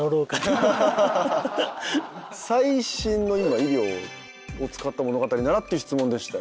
最新の医療を使った物語ならって質問でしたよね。